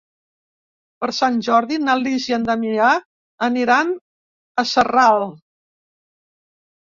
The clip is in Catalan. Per Sant Jordi na Lis i en Damià aniran a Sarral.